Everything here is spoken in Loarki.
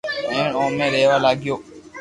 ھينرن او مي رھيوا لاگيو